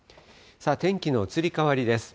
天気の移り変わりです。